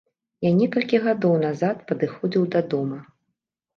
Я некалькі гадоў назад падыходзіў да дома.